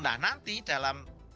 nah nanti dalam perhitungan kita